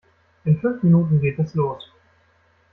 In fünf Minuten geht es los.